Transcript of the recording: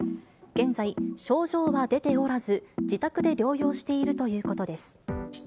現在、症状は出ておらず、自宅で療養しているということです。